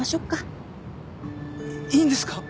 いっいいんですか？